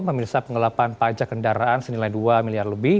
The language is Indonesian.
pemirsa pengelapan pajak kendaraan senilai dua miliar lebih